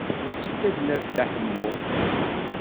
Yessefk ad d-naf Dda Ḥemmu.